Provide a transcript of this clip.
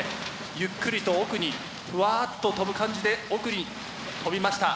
ゆっくりと奥にふわっと飛ぶ感じで奥に飛びました。